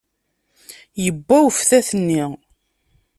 Yewwa uftat-nni.